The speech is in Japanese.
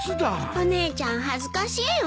お姉ちゃん恥ずかしいわ。